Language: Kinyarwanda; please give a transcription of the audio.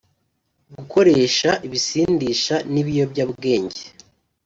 gukoresha ibisindisha n’ibiyobyabwenge